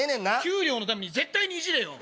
給料のために絶対にいじれよ。